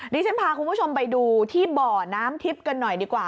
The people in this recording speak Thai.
ดิฉันพาคุณผู้ชมไปดูที่บ่อน้ำทิพย์กันหน่อยดีกว่า